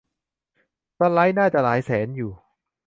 สไลด์น่าจะหลายแสนอยู่